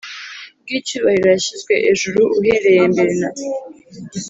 bw icyubahiro yashyizwe ejuru uhereye mbere na